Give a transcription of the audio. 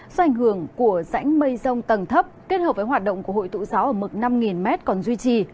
do ảnh hưởng của rãnh mây rông tầng thấp kết hợp với hoạt động của hội tụ gió ở mực năm m còn duy trì